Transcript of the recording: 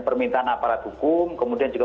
permintaan aparat hukum kemudian juga